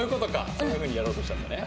そういう風にやろうとしたんだね。